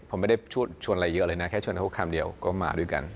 ผมไม่ได้ชวนอะไรเยอะเลยนะแค่ชวนเขาคำเดียวก็มาด้วยกัน